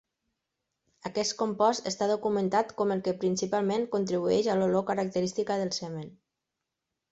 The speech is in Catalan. Aquest compost està documentat com el que principalment contribueix a l'olor característica del semen.